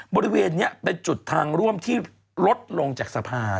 บริเวณนี้เป็นจุดทางร่วมที่ลดลงจากสะพาน